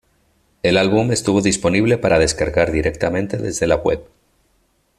El álbum estuvo disponible para descargar directamente desde la web.